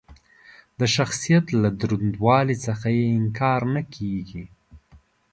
د شخصیت له دروندوالي څخه یې انکار نه کېږي.